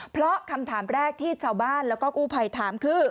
เพราะคำถามแรกที่ชาวบ้านแล้วก็กู้ภัยถามคือ